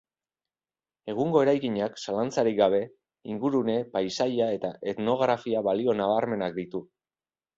Egungo eraikinak, zalantzarik gabe, ingurune-, paisaia- eta etnografia-balio nabarmenak ditu.